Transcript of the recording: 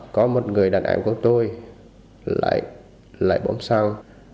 có một người đàn em của tôi lại bấm xăng